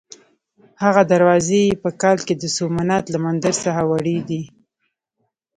هغه دروازې یې په کال کې د سومنات له مندر څخه وړې دي.